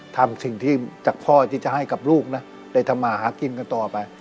ทำสิ่งที่จากพ่อที่จะให้กับลูกนะได้ทำมาหากินกันต่อไป